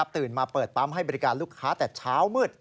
ตื่นมาเปิดปั๊มให้บริการลูกค้าแต่เช้ามืด